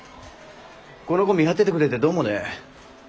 この子見張っててくれてどうもね。